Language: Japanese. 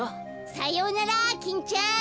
さようならキンちゃん。